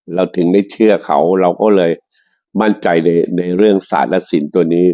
เราถึงได้เชื่อเขาเราก็เลยมั่นใจในเรื่องศาสตร์และสินตัวนี้